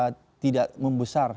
itu bisa tidak membesar